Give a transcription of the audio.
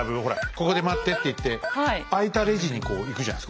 「ここで待って」っていって空いたレジにこう行くじゃないですか。